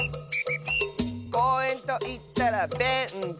「こうえんといったらベンチ！」